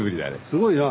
すごいな。